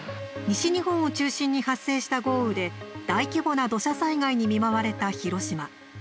西日本を中心に発生した豪雨で大規模な土砂災害に見舞われた広島。